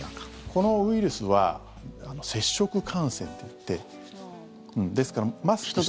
このウイルスは接触感染といって、ですから。